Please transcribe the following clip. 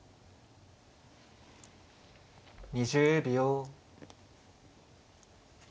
２０秒。